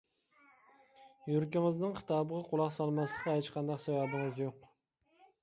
يۈرىكىڭىزنىڭ خىتابىغا قۇلاق سالماسلىققا ھېچقانداق سەۋەبىڭىز يوق.